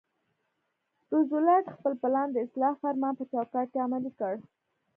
روزولټ خپل پلان د اصلاح فرمان په چوکاټ کې عملي کړ.